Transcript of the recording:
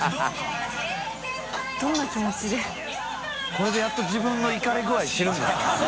これでやっと自分のイカレ具合知るんですかね。